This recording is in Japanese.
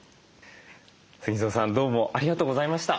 ＳＵＧＩＺＯさんどうもありがとうございました。